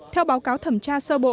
theo báo cáo thẩm tra sơ bộ